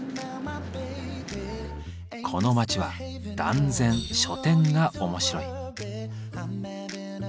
この街は断然書店が面白い。